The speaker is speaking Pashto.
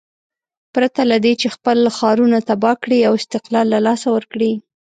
پرته له دې چې خپل ښارونه تباه کړي او استقلال له لاسه ورکړي.